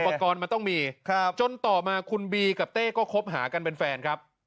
กรณ์มันต้องมีจนต่อมาคุณบีกับเต้ก็คบหากันเป็นแฟนครับ